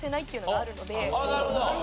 なるほど。